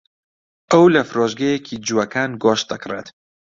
ئەو لە فرۆشگەیەکی جووەکان گۆشت دەکڕێت.